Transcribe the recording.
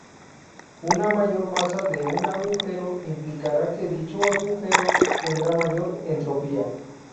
Una mayor masa de un agujero implicará que dicho agujero tendrá mayor entropía.